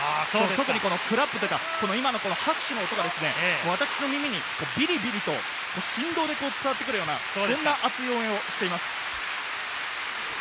特にクラップ、この拍手の音が、私の耳にビリビリと振動で伝わってくるような、そんな熱い応援をしています。